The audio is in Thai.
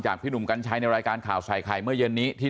พี่หนุ่มกัญชัยในรายการข่าวใส่ไข่เมื่อเย็นนี้ที่